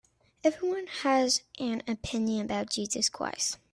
Everyone has an opinion about Jesus Christ.